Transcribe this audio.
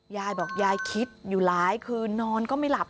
ยายบอกยายคิดอยู่หลายคืนนอนก็ไม่หลับ